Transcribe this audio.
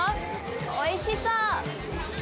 おいしそう。